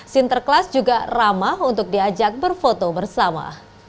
sinterklas juga ramah untuk diajak berfoto bersama